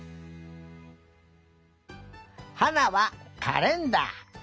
はなはカレンダー。